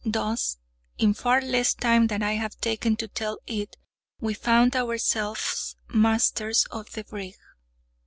Thus, in far less time than I have taken to tell it, we found ourselves masters of the brig.